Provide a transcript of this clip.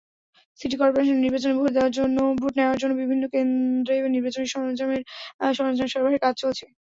City corporation নির্বাচনে vote নেওয়ার জন্য বিভিন্ন কেন্দ্রে নির্বাচনী সরঞ্জাম সরবরাহের কাজ চলছে।